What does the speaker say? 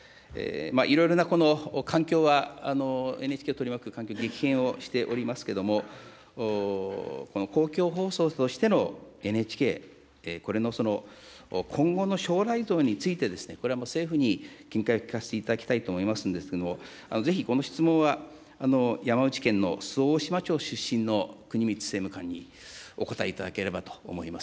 いろいろなこの環境は、ＮＨＫを取り巻く環境、激変をしておりますけれども、この公共放送としてのＮＨＫ、これの今後の将来像について、これはもう政府に見解を聞かせていただきたいと思いますんですけれども、ぜひこの質問は、山口県の周防大島町出身の国光政務官にお答えいただければと思います。